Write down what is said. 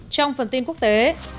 trong phần tin quốc tế